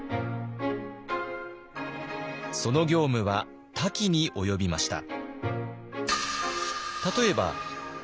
その業務は多岐に及びました。